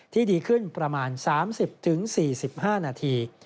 ดีขึ้นประมาณ๓๐๔๕นาที